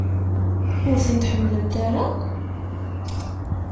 Ur tent-tḥemmlemt ara?